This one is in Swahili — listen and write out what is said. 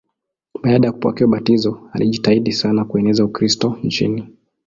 Baada ya kupokea ubatizo alijitahidi sana kueneza Ukristo nchini.